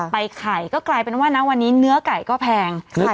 ไข่ก็กลายเป็นว่านะวันนี้เนื้อไก่ก็แพงค่ะ